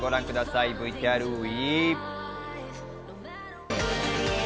ＶＴＲＷＥ！